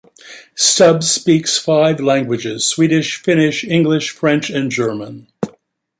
Stubb speaks five languages: Swedish, Finnish, English, French and German.